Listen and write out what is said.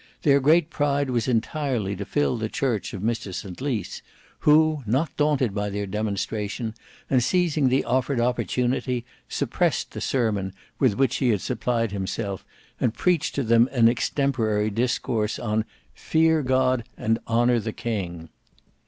Their great pride was entirely to fill the church of Mr St Lys, who not daunted by their demonstration, and seizing the offered opportunity, suppressed the sermon with which he had supplied himself and preached to them an extemporary discourse on "Fear God and honour the King."